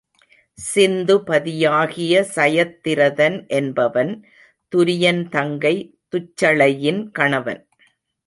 சிந்துபதியாகிய சயத்திரதன் என்பவன் துரியன் தங்கை துச்சளையின் கணவன்.